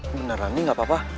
beneran ini gak apa apa